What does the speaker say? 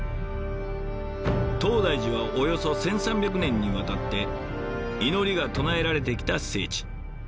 東大寺はおよそ１，３００年にわたって祈りが唱えられてきた聖地。